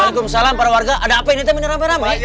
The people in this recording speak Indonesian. waalaikumsalam para warga ada apa ini teman teman ramai ramai